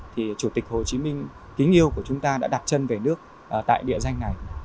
thì chủ tịch hồ chí minh kính yêu của chúng ta đã đặt chân về nước tại địa danh này